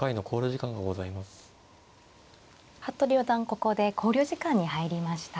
ここで考慮時間に入りました。